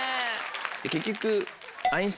結局。